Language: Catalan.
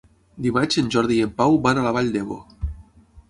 Dimarts en Jordi i en Pau van a la Vall d'Ebo.